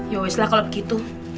yoweslah kalau begitu